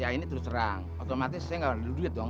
ya ini terus terang otomatis saya nggak duit dong